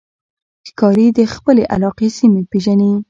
ښکاري د خپلې علاقې سیمه پېژني.